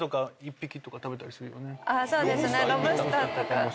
そうですね。